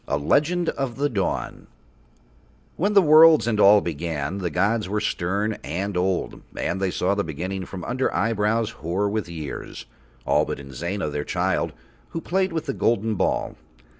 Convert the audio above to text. A LEGEND OF THE DAWN When the worlds and All began the gods were stern and old and They saw the Beginning from under eyebrows hoar with years, all but Inzana, Their child, who played with the golden ball.